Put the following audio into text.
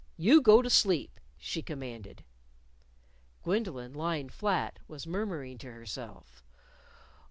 "You go to sleep," she commanded. Gwendolyn, lying flat, was murmuring to herself.